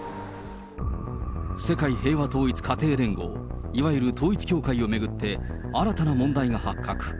世界平和統一家庭連合、いわゆる統一教会を巡って、新たな問題が発覚。